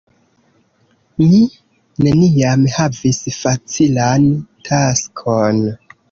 Mi neniam havis facilan taskon.